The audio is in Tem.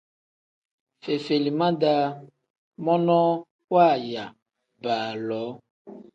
Fefelima-daa monoo waaya baaloo.